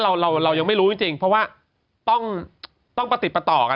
เราเรายังไม่รู้จริงเพราะว่าต้องประติดประต่อกัน